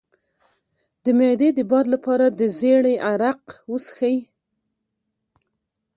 د معدې د باد لپاره د زیرې عرق وڅښئ